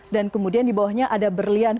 dan kemudian di bawahnya ada berlian